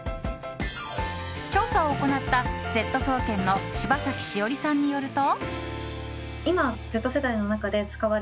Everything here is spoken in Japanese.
調査を行ったＺ総研の柴崎汐理さんによると。